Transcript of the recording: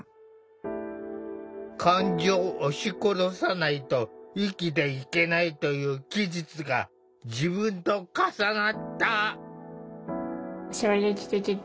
「感情を押し殺さないと生きていけない」という記述が自分と重なった。